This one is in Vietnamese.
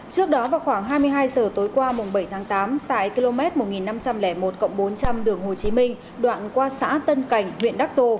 trước đó vào khoảng hai mươi hai h tối qua bảy tháng tám tại km một nghìn năm trăm linh một bốn trăm linh đường hồ chí minh đoạn qua xã tân cảnh huyện đắc tô